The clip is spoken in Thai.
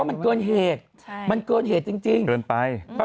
เพราะมันเกินเหตุมันเกินเหตุจริง